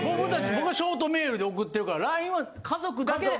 僕はショートメールで送ってるからＬＩＮＥは家族だけで？